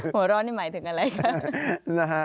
หัวร้อนนี่หมายถึงอะไรคะ